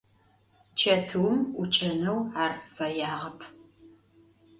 Çetıum 'uç'eneu ar feyağep.